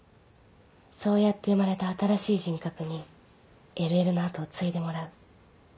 そうやって生まれた新しい人格にＬＬの後を継いでもらう。